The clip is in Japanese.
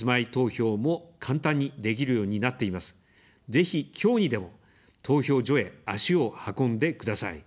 ぜひ、きょうにでも投票所へ足を運んでください。